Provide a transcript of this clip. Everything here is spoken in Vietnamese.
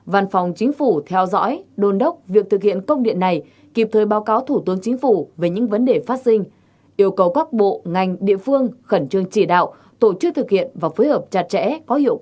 tám văn phòng chính phủ theo dõi đồn đốc việc thực hiện công điện này kịp thời báo cáo thủ tướng chính phủ về những vấn đề phát sinh yêu cầu các bộ ngành địa phương khẩn trương chỉ đạo tổ chức thực hiện và phối hợp chặt chẽ có hiệu quả để thực hiện công điện này